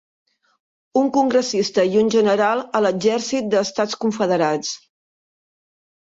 Un congressista i un general a l'Exèrcit d'Estats Confederats.